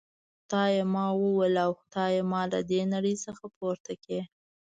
خدایه ما ووله او خدایه ما له دي نړۍ څخه پورته کړي.